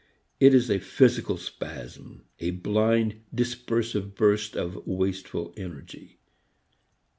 It is a physical spasm, a blind dispersive burst of wasteful energy.